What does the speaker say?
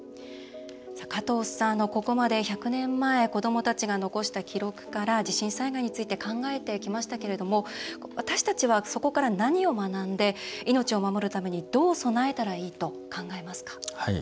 加藤さん、ここまで１００年前、子どもたちが残した記録から地震災害について考えてきましたけれども私たちは、そこから何を学んで命を守るためにどう備えたらいいと考えますか？